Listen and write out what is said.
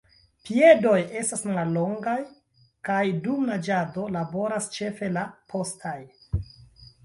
Piedoj estas mallongaj kaj dum naĝado laboras ĉefe la postaj.